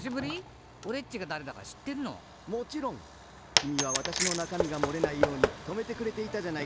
きみはわたしのなかみがもれないようにとめてくれていたじゃないか。